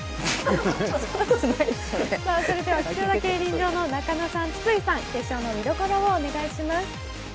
岸和田競輪場の中野さん、筒井さん決勝の見どころをお願いします。